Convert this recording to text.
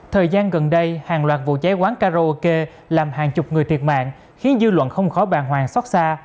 thời gian gần đây hàng loạt vụ cháy quán karaoke làm hàng chục người thiệt mạng khiến dư luận không khỏi bàng hoàng xót xa